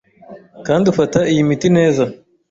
kandi ufata iyi miti neza